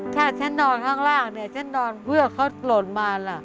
ถ้าฉันนอนข้างล่างเพื่อเขากลดมา